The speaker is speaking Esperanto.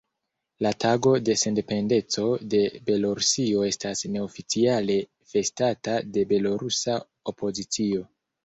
La tago de sendependeco de Belorusio estas neoficiale festata de belorusa opozicio.